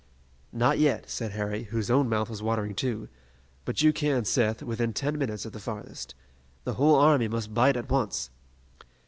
"Not yet," said Harry, whose own mouth was watering, too, "but you can, Seth, within ten minutes at the farthest. The whole army must bite at once."